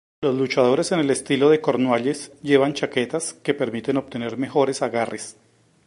Los luchadores en el estilo de Cornualles llevan chaquetas que permiten obtener mejores agarres.